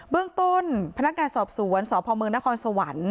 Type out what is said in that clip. เบื้องต้นพนักงานสอบสวนสอบภอมเมืองนครสวรรค์